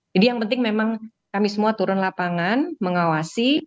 jadi yang penting memang kami semua turun lapangan mengawasi